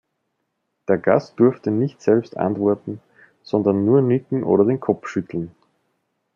Der Gast durfte nicht selbst antworten, sondern nur nicken oder den Kopf schütteln.